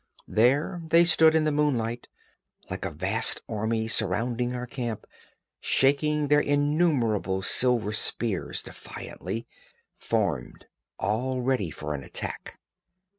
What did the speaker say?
There they stood in the moonlight, like a vast army surrounding our camp, shaking their innumerable silver spears defiantly, formed all ready for an attack.